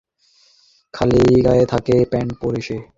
যে-লোকটি চশমা এবং প্যান্ট পরে, সে খালিগায়ে থাকে না।